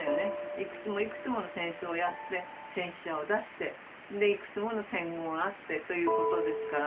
いくつもいくつもの戦争をやって戦死者を出してでいくつもの戦後があってということですから。